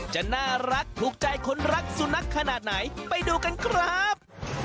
จะน่ารักถูกใจคนรักสุนัขขนาดไหนไปดูกันครับ